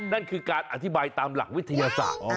นั่นคือการอธิบายตามหลักวิทยาศาสตร์